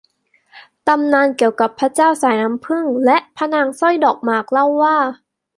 ตำนานเกี่ยวกับพระเจ้าสายน้ำผึ้งและพระนางสร้อยดอกหมากเล่าว่า